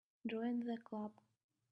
Join the Club.